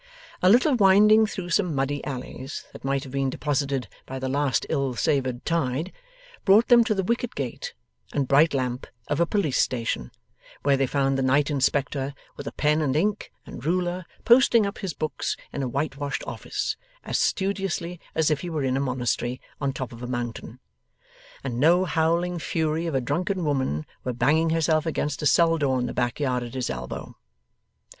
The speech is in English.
A little winding through some muddy alleys that might have been deposited by the last ill savoured tide, brought them to the wicket gate and bright lamp of a Police Station; where they found the Night Inspector, with a pen and ink, and ruler, posting up his books in a whitewashed office, as studiously as if he were in a monastery on top of a mountain, and no howling fury of a drunken woman were banging herself against a cell door in the back yard at his elbow.